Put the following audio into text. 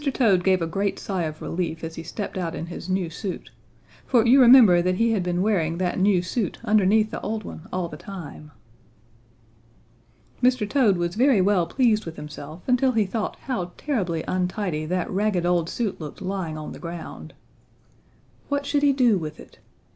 Toad gave a great sigh of relief as he stepped out in his new suit, for you remember that he had been wearing that new suit underneath the old one all the time. "Mr. Toad was very well pleased with himself until he thought how terribly untidy that ragged old suit looked lying on the ground. What should he do with it?